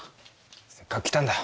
せっかく来たんだ。